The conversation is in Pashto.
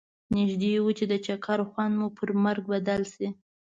نږدي و چې د چکر خوند مو پر مرګ بدل شي.